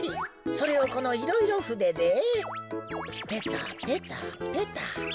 それをこのいろいろふででペタペタペタと。